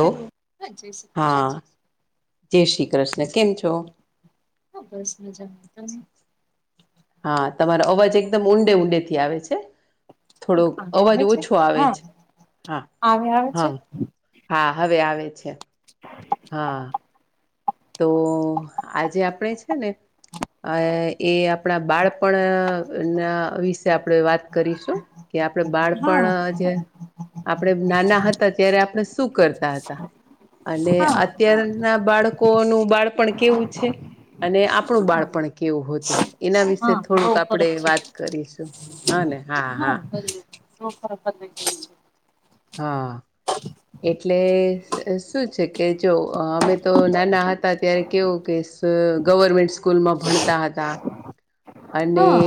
Hello હા જય. હા કૃષ્ણ જય શ્રી કૃષ્ણ કેમ છો. હા બસ મજામાં તમે. હા તમારો અવાજ એકદમ ઊંડે ઊંડે થી આવે છે. થોડોક હા આવે અવાજ આવે છે ઓછો આવે જ હા હા આવે આવે છે હા હા હવે આવે છે. હા. તો આજે આપણે છે ને. અ એ આપણા બાળપણના વિશે આપણે વાત કરીશું. કે આપડે હા બાળપણ જે. આપણે નાના હતા ત્યારે આપણે શું કરતા હતા અને. હા ના બાળક. લોકો નું બાળપણ કેવું છે અને આપણું હા બાળપણ કેવું હતું. એના વિશે હા બહુ થોડુંક આપણે ફરક છે વાત કરીશું હા ને હા હા. સૂપર ઉપ છે. હા. એટલે શું છે કે જો અમે તો નાના હતા ત્યારે કેવું કે. ગવર્મેન્ટ સ્કૂલમાં ભણતા હતા. અને. હા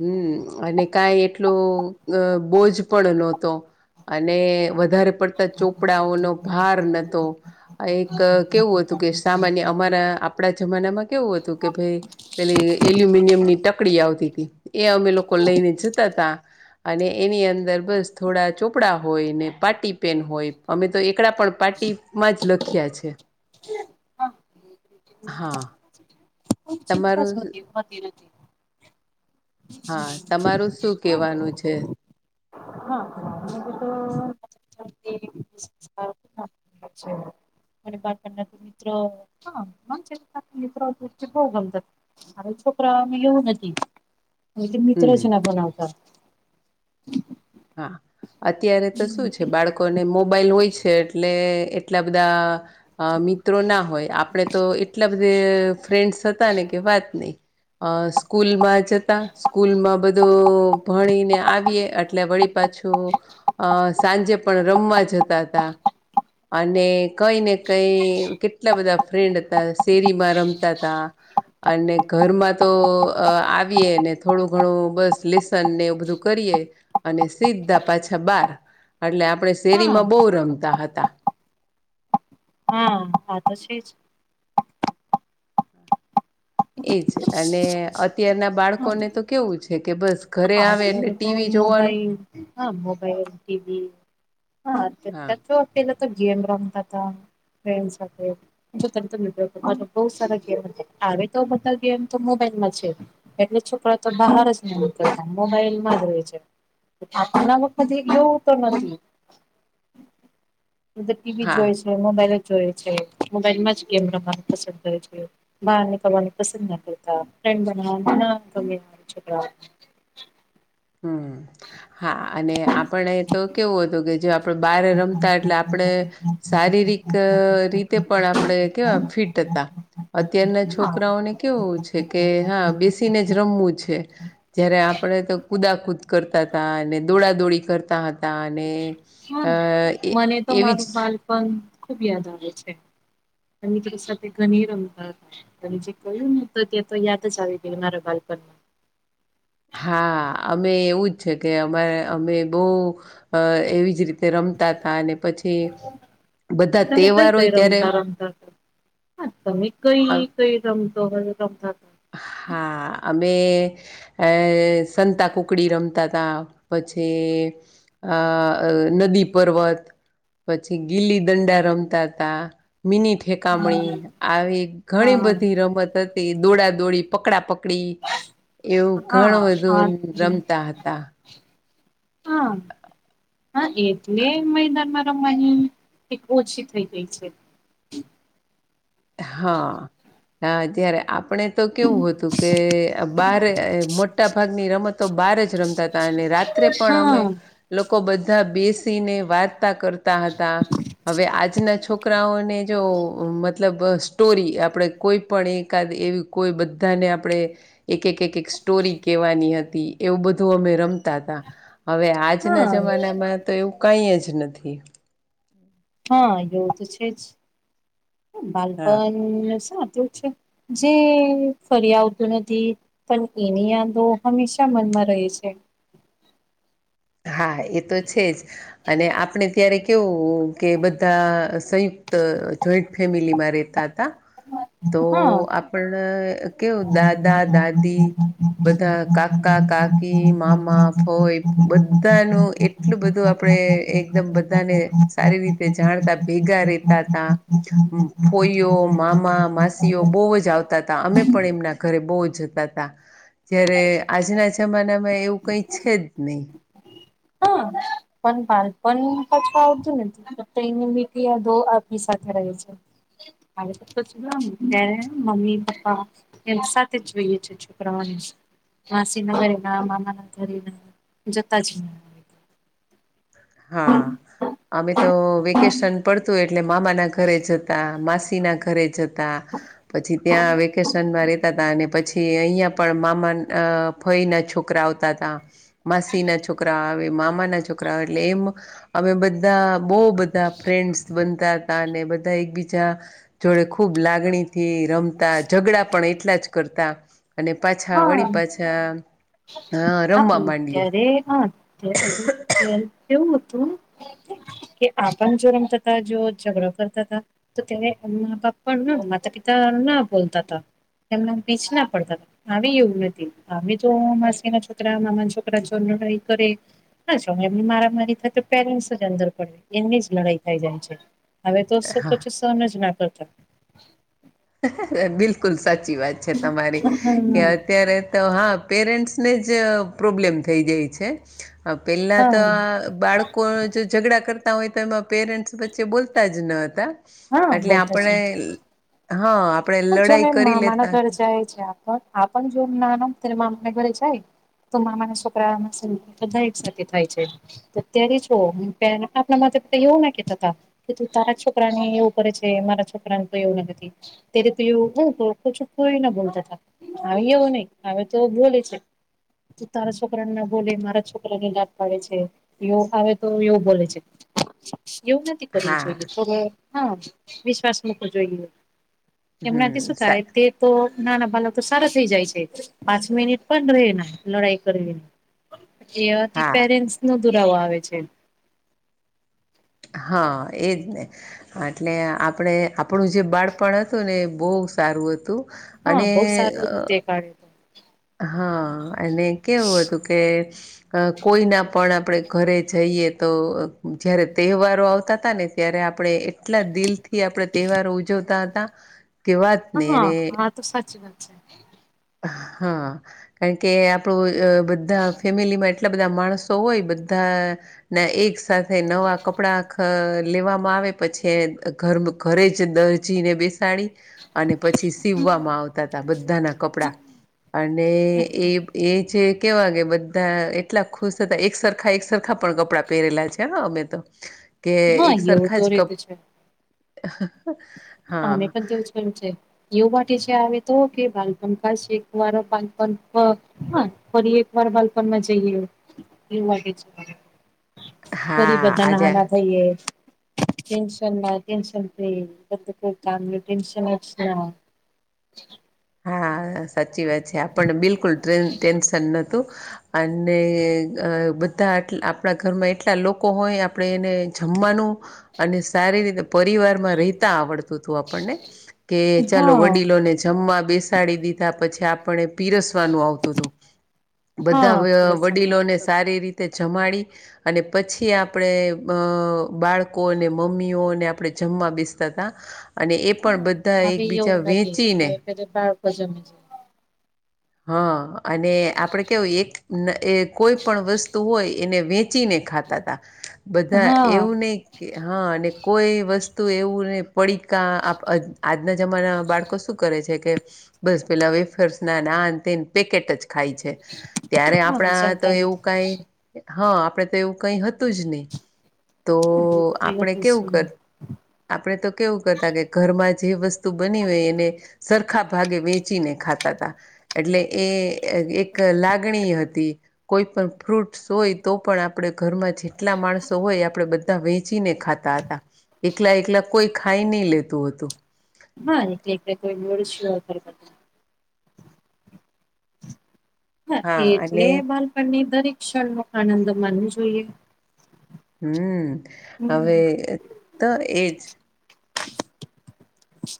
હમ અને કાઈ એટલોું બોજ પણ નહતો. અને વધારે પડતા ચોપડાઓનો ભાર નતો. આ એક કેવું હતું કે સામાન્ય અમારા આપણા જમાનામાં કેવું હતું કે ભાઈ. પેલી એલ્યુમિનિયમ ની ટકડી આવતી હતી એ અમે લોકો લઈને જતા હતાા. અને એની અંદર બસ થોડા ચોપડા હોય ને પાટી પેન હોય. અમે તો એકળ પણ પાર્ટીમાં જ લખ્યા છે. હા. કો ચિંતા તમારું જતી હોતી નથી. હા તમારું શું કેવાનું છે. હા એ તો. અ. હ છે. અને બાપણના તો મિત્ર હ મિત્રો ભો ઘલ. મારે છોકરા લવું નથી અને મિત્ર હમ જ ના બનાવતા. હા અત્યારે તો શું છે બાળકોને મોબાઈલ હોય છે. એટલે એટલા બધા. અ મિત્રો ના હોય આપણે તો એટલા બધા ફ્રેન્ડસ હતા ને કે વાત નહી. અ સ્કૂલમાં જતા સ્કૂલમાં બધો ભણીને આવીએ. એટલે વળી પાછું અ સાંજે પણ રમવા જતા હતા. અને કઈ ને કઈ કેટલા બધા ફ્રેન્ડ હતા શેરીમાં રમતા હતા. અને ઘરમાં તો આવીએ ને થોડું ઘણું બસ લેસન ને એવું બધું કરીએ. અને સીધા પાછા બાર એટલે આપણે હા શેરીમાં બહુ રમતા હતા. હમ. હા તછી જ. એજ અને અત્યારના બાળકોને તો કેવું છે કે, બસ. ઘરે હા આવે એટલે અત્યારે તો ટીવી જોવાનું. મોબાઈલ હા મોબાઈલ ટીવી હા. હા પેલા તો ગેમ રમતા હતા ફ સાથે જો તમે મ બ સારા ગેમ હ તો બધા ગેમ તો મોબાઈલમાં છે એટલે છોકરા તો બહાર જ મોબાઈલ માં જ રહે છે આપણામાં કધ એવું તો નથી [unintelligible] બધ ટીવી હા જોએ છે મોબાઈલ જ જોએ છે મોબાઈલમાં જ ગેમ ર પસંદ કરે છે બહાર ની કરની પસંદ ના કરતા ફન્ બ [unintelligible] હમ હા અને આપણે તો કેવું હતું કે જે આપડ બારે રમતા એટલે આપણે શારીરિક રીતે પણ આપણે કેવા ફિટ હતા અત્યારના હા છોકરાઓને કેવું છે કે હા બેસીને જ રમવું છે જય્યારે આપણે તો કુદાકુદ કરતા હતા અને દોડાદોડી કરતા હતા અને અ એ એવી જ પણ ખુબ યાદ આવે છેની તર સાથે ઘણી રમદાર અને જે ક્યું તો તે તો યાદ જ આવી ગય મારા બાલપણમાં હા અમે એવું જ છે કે અમારે અમે બહુ અ એવી જ રીતે રમતા હતાા અને પછી બધા તમે તહેવાર કઈ કઈ હોય ત્યારે રમતા રમતા તો હા તમે અ, કઈ કઈ રમતો હ રમતા હા અમે એ સંતા કુકડી રમતા હતા પછી અ નદી પર્વત પછી ગીલી દંડા રમતા હતા મિની હા ઠેકામણી આવી ઘણી હા બધી રમત હતી દોડા દોડી પકડા પકડી એવું ઘણું હા બધું રમતા હતા હા હા એટલે મેૈદાનમાં ની એક ઓછી થઈ ગઈ છે હા હ અત્યારે આપ આપણે તો કેવું હતું કે બાર મોટા ભાગની રમતો બાર જ રમતા અને રાત્રે પણ અમે હા લોકો બધા બેસીને વાત કરતા હતા હ આજના છોકરાઓને જો મતલબ સ્ટોરી આપણે કોઈ પણ એકાદ એવી કોઈ બધાને આપણે એક એક એક એક સ્ટોરી કેહેવાની હતી એવું બધું અમે રમતા હતા હવે આજના હા જમાનામાં તો એવું કંઈ જ નથી હા એવું તો છે જ હા બાળપણ સાતું છે જે ફરી આવતું નથી પણ એની યાદો હંમેશા મનમાં રહે છે હા એ તો છે જ અને આપણે ત્યારે કેવું કે બધા સંયુક્ત જોઈન્ટ ફેમિલીમાં રહેતા હતા તો હા આપણ કેવું દાદા દાદી બધા કાકા કાકી મામા ફોય બધાનું એટલું બધું આપડે એકદમ બધાને સારી રીતે તે જાણતા ભેગા રેતા હતા ફોઈઓ મામા માસીઓ બહુ જ આવતા હતા અમે પણ એમના ઘરે બહુ જતા હતા જ્યારે આજના જમાનામાં એવું કઈ છે જ નહીિ હા પણ બાલપણ પાચવા આવતું નથી એને મીઠી આ ધો આપણી સાથે રહે છે મારે તોછ મમ્મી પપ્પા એમ સાથે જ જોઈએ છે છોકરાઓ માસી નારે ના મામા ના ઘરે ના જતા જ હા અમે તો વેકેશન પડતું એટલે મામા ના ઘરે જતા માસી ના ઘરે જતા પછી ત્યાં વેકેશનમાં રેતા હતાા અને પછી થી અહિયાયાં પણ મામા ફય ના છોકરા આવતા હતા માસી ના છોકરા આવે મામા ના છોકરા આવે એટલે એમ અમે બધા બહુ બધા ફ્રેન્ડસ બનતા હતા અને બધા એકબીજા જોડે ખૂબ લાગણીથી રમતા ઝઘડા પણ એટલા જ કરતા અને પાછા વળી પાછા હા રમવા પણ માંડીએ અત્યારે હા અ્યારે અત્યારે કેવું હતું કે આપણ જો રમતા હતા જો ઝઘડો કરતા હતા તો ત્યારે મા બાપ પણ માતા પિતા ના બોલતા હતા એમને પીચ ના પડતા આવી એવું હતી આવી તો માસી છોકરા મામા છોકરા જોો લડાઈ કરે ના એમની મારામારી થાય તો પેરેન્ટસ જ અંદર પડે એમની જ લડાઈ થઈ જાય છે હવે તોસો હા પચીસોને જ ના કરતા બિલકુલ સાચી વાત છે તમારી કે હા અત્યારે તો હા પેરેન્ટ્સને જ પ્રોબ્લેમ થઈ જાય છે પહેલાં હા તો બાળક કો જો ઝઘડા કરતા હોય તો એમાં પેરેન્ટ્સ વચ્ચે બોલતા જ ન હતા હા એટલે આપણે હા આપણે લડાઈ જોને કરી મામાના લેતા ઘરે હતા જાય છે આપણ જો ના ના તને મામાના ઘરે જાય તો મામાના છોકરા સ બધા એક સાથે થાય છે અત્યારે છ આપણા માતા પિતા એવું ના કેતાતા કે તું તારા છોકરાને એવું કરે છે મારા છોકરાને તો એવું લાગે ત્યારે તું પ્રચું કરી ના બતા થા અવ નહી અ તો બ છે તું તારા છોકરાને ના બોલે મારા છોકરાને લાટ પાડે છે એવ આવે તો એવું બોલે છે એવું નથી કરવું હા જોઈએ હા વિશ્વાસ મૂકવો જોઈએ કેમનાથી હમ શું સા થાય તે તો નાના ભલા તો સારા થઈ જાય છે પાંચ મિનિટ પણ રહેને લડાઈ કરવી એથી હા પેરેન્ટ્સ નો દુરાવો આવે છે હા એજ ને એટલે આપણે આપણું જે બાળપણ હતું ને એ બહુ સારું હતું હા અને બહુ સારું અ હતું તે કાળે તો હા અને કેવું હતું કે અ કોઈના પણ આપણે ઘરે જઈએ તો જયારે તહેવારો આવતા હતાા ને ત્યારે આપણે એટલા દિલ થી આપણે તહેવારો ઉજવતા હતા કે વાત નહી હા અને હા તો સાચી વાત છે હા કારણ કે આપણું બધા ફેમિલીમાં એટલા બધા માણસો હોય બધા ના એક સાથે નવા કપડાં લેવામાં આવે પછી ઘર ઘરે જ દરજીને બેસ સા અને પછી સીવવામાં આવતા ત બધાના કપડા અને એ જે કેવા કેે બધા એટલા ખુશ થતા એક સરખા એક સરખા પણ કપડાં પહેરેલા છે ને અમે તો કે હા એક એવું સરખા તો જ ક રીત છે અમે હા પણ તેવું જ એવું માટે છે આવે તો કે બાલપં ખ શેકવાનો પાલપ હા ફરી એક વાર બાલપણમાં જઈએ એવું વાગે છે ફરી હા બધા આજે નાના થઈએ ટનસન ટસન ફ ટશન હા સાચી વાત છે આપણને બિલકુલ ટેન્શન નોતું અને અ બધા આપણા ઘરમાં એટલા લોકો હોય આપડે એને જમવાનું અને સારી રીતે પરિવાર માં રહેતા આવડતું હતું આપણને કે ચાલો હા વડીલોને જમવા બેસાડી દીધા પછી આપને પીરસવાનું આવતું હતું હા બધા પીરસવામાં આવતું વડીલોને હતું સારી રીતે જમાડી અને પછી આપણે અ બાળકો અને મમ્મીઓને આપણે જમવા બેસતા હતા અને એ પણ બધા એકબીજા વેચીને કે પાર હજ હા અને આપણે કેવય એક એ કોઈ પણ વસ્તુ હોય એને વેચીને ખાતા બધા હા એવું નહી કે હા અને કોઈ વસ્તુ એવું નને પડીિકા આપ આજના જમાના બાળકો શું કરે છે કે બસ પેલા વેફર્સ ના નાન તે પેકેટ જ ખાય છે ત્યારે હા આપણા તો જમતા એવું નથી કઈ હા આપડે તો એવું કઈ હતું જ નહી તો આપણે કેવું કર આપણે તો કેવું કરતા કે ઘરમાં જે વસ્તુ બની હોય એને સરખા ભાગે વેચીને ખાતા હતા એટલે એ એક લાગણી હતી કોઈ પણ ફ્રૂટસ હોય તો પણ આપણે ઘરમાં જેટલા માણસો હોય આપણેે બધા વેચીને ખાતા એકલા એકલા કોઈ ખાઈ નહી લેતું હતું. હા એટલે એલે કોઈ બોડર ના હા એટલે અને બાળપણની દરેક ક્ષણ ન આનંદ માનવો જોઈએ. હમ હવે તો એજ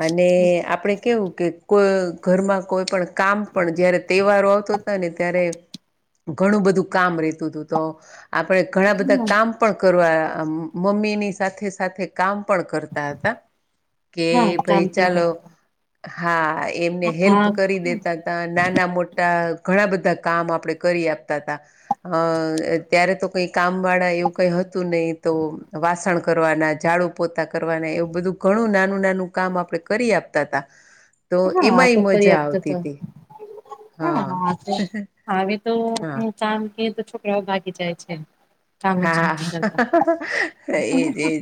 અને આપણે કેવું કે કોઈ ઘરમાં કોઈ પણ કામ પણ જયારે તહેવારો આવતો હતા ને ત્યારે ઘણું બધું કામ રેતું હતું તો આપડે ઘણા બધા કામ પણ કરવા મમ્મી ની સાથે સાથે કામ પણ કરતા હતા કે હા કામ ભાઈ ચાલો હા એમને હેલ્પ હા કરી દેતા નાના મોટા ઘણા બધા કામ આપડણે કરી આપતા હતા. અ ત્યારે તો કઈ કામ વાળા એવું કઈ હતું નહીિ તો વાસણ કરવાના ઝાડુ પોતા કરવાના એવું બધું ઘણું નાનું નાનું કામ આપડણે કરી આપતા હતા. તો તો એમાંય મજા પર્યાપ્ત આવતી હતો હતી. હા હા તો હ તો હા હ કામ કે તો છોકરાઓ ભાગી જાય છે કામ જ હા નથી કરતા એજ એજ..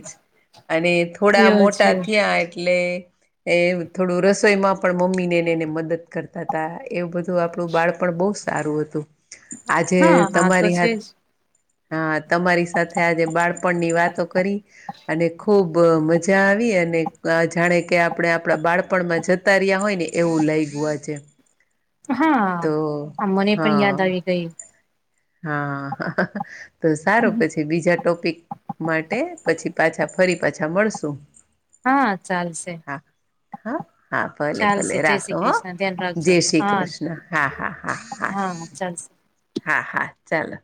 અને થોડા એવું મોટા છે થયા એટલે. એ થોડું રસોઈમાં પણ મમ્મી નેને એને મદદ કરતા હતાા એવું બધું તો આપણું બાળપણ બહુ સારું હતું આજે હા આ તો તમારી છે હાથ જ હ તમારી સાથે આજે બાળપણની વાતો કરી અને ખુબ મજા મજા આવી અને જાણે કે આપણે આપણા બાળપણમાં જતા રહ્યા હોય ને એવું લઈ ગયું આ છે. હા આ મને પણ યાદ હા આવી ગયું હા તો સારું પછી બીજા ટોપિક માટે પછી પાછા ફરી પાછા મળશુ હા ચાલશે હા હા ભલે ચાલશે ભલે જય રાખો શ્રી હો કૃષ્ણ ધ્યાન રાખજો જય શ્રી હા કૃષ્ણ હા હા હા હા. ચાન્સ હા હા ચાલો